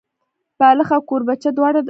بالښت او کوربچه دواړه راوړه.